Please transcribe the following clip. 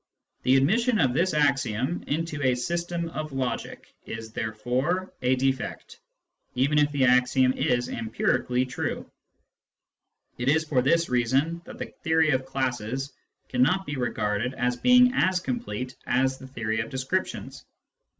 The admission of this axiom into a system of logic is therefore a defect, even if the axiom is empir ically true. It is for this reason that the theory of classes cannot be regarded as being as complete as the theory of descriptions.